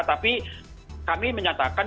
tapi kami menyatakan